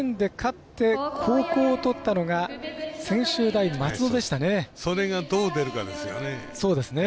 じゃんけんで勝って後攻をとったのがそれがどう出るかですね。